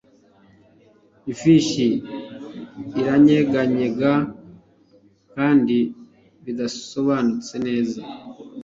Ifishi iranyeganyega kandi bidasobanutse neza